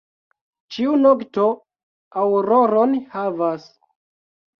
Ĉiu nokto aŭroron havas.